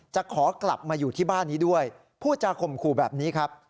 จะขอกลับมาอยู่ที่บ้านนี้ด้วยพูดจาข่มขู่แบบนี้ครับ